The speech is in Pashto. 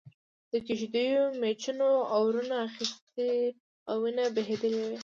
د کېږدیو مېچنو اورونه اخستي او وينې بهېدلې وې.